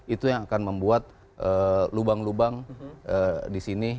itu yang akan membuat lubang lubang disini